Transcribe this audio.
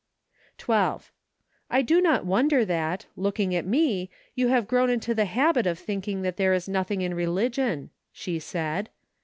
MARCH. 31 12. " I do not wonder that, looking at me, you have grown into the habit of thinking that there is nothing in religion," she said.